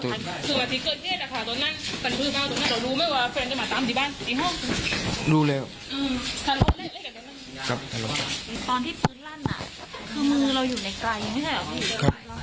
ตอนที่ปืนลั่นก็มือเราอยู่ในกลายนี่ใช่มั้ยครับ